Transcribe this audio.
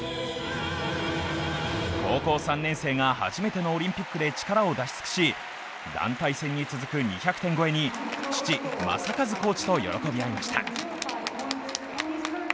高校３年生が初めてのオリンピックで力を出し尽くし、団体戦に続く２００点超えに父・正和コーチと喜び合いました。